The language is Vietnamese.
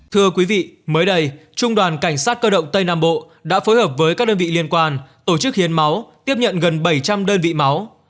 thưa quý vị mới đây trung đoàn cảnh sát cơ động tây nam bộ đã phối hợp với các đơn vị liên quan tổ chức hiến máu tiếp nhận gần bảy trăm linh đơn vị máu